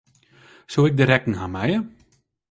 Soe ik de rekken ha meie?